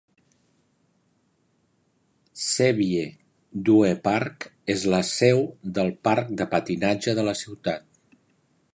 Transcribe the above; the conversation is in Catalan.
Cevie Due Park és la seu del parc de patinatge de la ciutat.